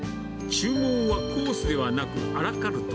注文はコースではなくアラカルト。